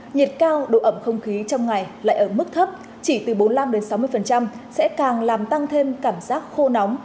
nhiệt cao độ ẩm không khí trong ngày lại ở mức thấp chỉ từ bốn mươi năm sáu mươi sẽ càng làm tăng thêm cảm giác khô nóng